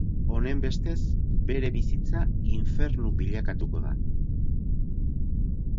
Honenbestez, bere bizitza infernu bilakatuko da.